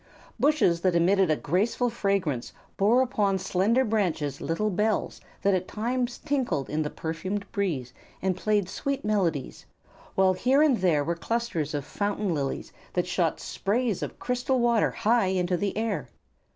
Bushes that emitted a grateful fragrance bore upon slender branches little bells that at times tinkled in the perfumed breeze and played sweet melodies, while here and there were clusters of fountain lilies that shot sprays of crystal water high into the air.